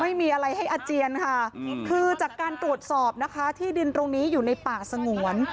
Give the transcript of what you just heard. ไม่มีอะไรให้อาเจียนค่ะคือจากการตรวจสอบนะคะที่ดินตรงนี้อยู่ในป่าสงวน